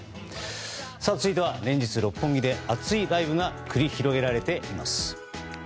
続いては連日六本木で熱いライブが繰り広げられています。